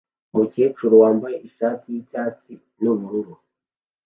Umukecuru wambaye ishati yicyatsi nubururu